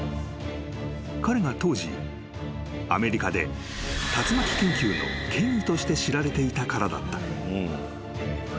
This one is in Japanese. ［彼が当時アメリカで竜巻研究の権威として知られていたからだった］